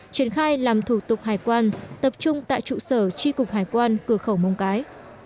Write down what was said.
triển khai làm thủ tục hải quan tập trung tại trụ sở tri cục hải quan cửa khẩu móng cái